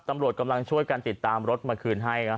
ตำรวจกำลังช่วยกันติดตามรถมาคืนให้ครับ